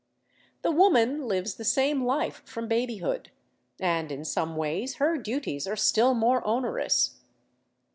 The v/oman lives the same life from babyhood; and in some ways her duties are still more onerous.